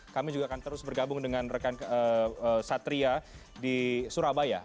kami juga akan terus bergabung dengan rekan satria di surabaya